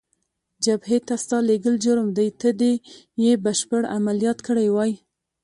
جبهې ته ستا لېږل جرم دی، ته دې یې بشپړ عملیات کړی وای.